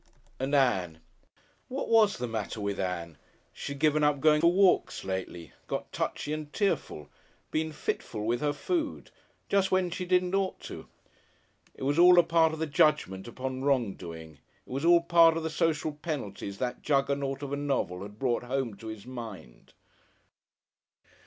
And Ann! What was the matter with Ann? She'd given up going for walks lately, got touchy and tearful, been fitful with her food. Just when she didn't ought to. It was all a part of the judgment upon wrongdoing, it was all part of the social penalties that Juggernaut of a novel had brought home to his mind.